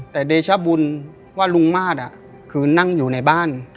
แต่เดชบุญว่าลุงมาตรคือนั่งอยู่ในบ้าน